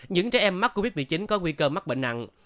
những trẻ em mắc covid một mươi chín có nguy cơ mắc bệnh nặng